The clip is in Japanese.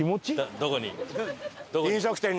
どこに？